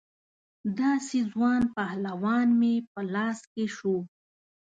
داسې ځوان پهلوان مې په لاس کې شو.